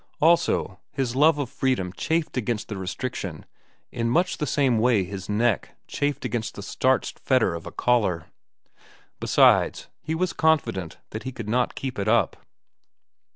Also, his love of freedom chafed against the restriction in much the same way his neck chafed against the starched fetter of a collar. Besides, he was confident that he could not keep it up.